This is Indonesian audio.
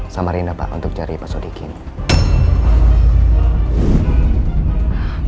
samarinda pak untuk nyari pasal di gini